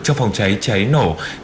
cho phòng cháy cháy nổ